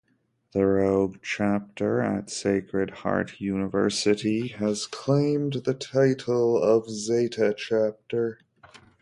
The rogue chapter at Sacred Heart University has claimed the title of Zeta Chapter.